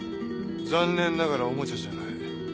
残念ながらオモチャじゃない。